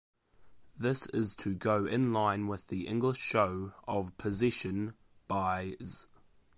This is to go in line with the English show of possession by 's.